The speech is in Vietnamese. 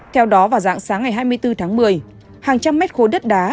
theo đó vào dạng sáng ngày hai mươi bốn tháng một mươi hàng trăm mét khối đất đá